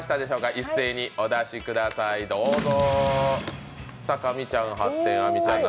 一斉にお出しください、どうぞ。